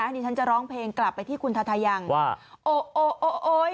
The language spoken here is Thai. อันนี้ฉันจะร้องเพลงกลับไปที่คุณธาทายังว่าโอ้โอ้โอ้โอ้ย